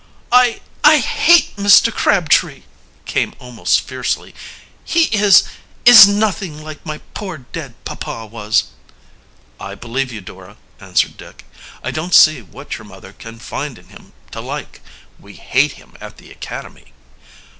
"I I hate Mr. Crabtree!" came almost fiercely. "He is is nothing like my poor dead papa was." "I believe you, Dora," answered Dick. "I don't see what your mother can find in him to like. We hate him at the academy."